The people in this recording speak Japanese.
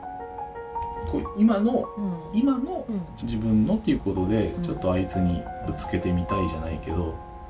今の今の自分のということでちょっとあいつにぶつけてみたいじゃないけど。